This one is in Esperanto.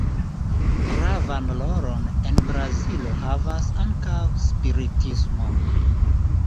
Gravan rolon en Brazilo havas ankaŭ spiritismo.